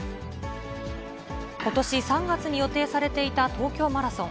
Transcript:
ことし３月に予定されていた東京マラソン。